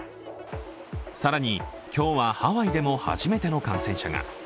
更に今日はハワイでも初めての感染者が。